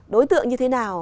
đối tượng như thế nào